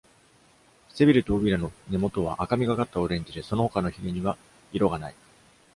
背びれと尾びれの根本は赤みがかったオレンジで、その他のひれには色がない。